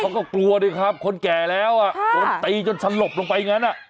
เขาก็กลัวดิครับคนแก่แล้วอ่ะโดนตีจนสลบลงไปอย่างนั้น